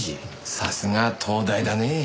さすがは東大だねぇ。